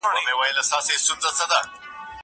زه بايد انځور وګورم.